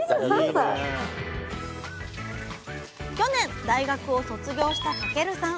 去年大学を卒業した翔さん。